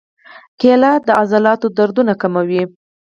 کېله د عضلاتو دردونه کموي.